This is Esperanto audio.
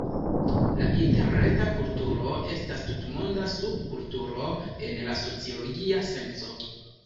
La interreta kulturo estas tutmonda subkulturo en la sociologia senco.